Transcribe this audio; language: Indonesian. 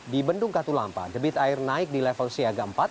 di bendung katulampa debit air naik di level siaga empat